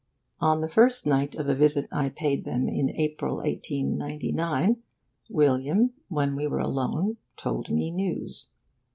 On the first night of a visit I paid them in April, 1899, William, when we were alone, told me news.